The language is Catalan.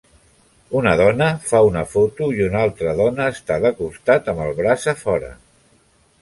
Una dona fa una foto i una altra dona està de costat amb el braç a fora